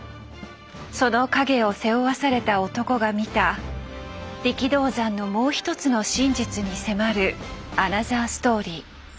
その陰を背負わされた男が見た力道山のもう一つの真実に迫るアナザーストーリー。